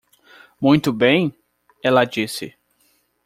Muito bem? ela disse.